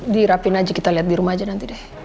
dirapin aja kita liat dirumah aja nanti deh